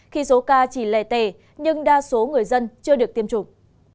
khi số ca chỉ lè tè nhưng đa số người dân chưa được tiêm chủng